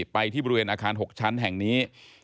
ไปที่บริเวณอาคาร๖ชั้นแห่งนี้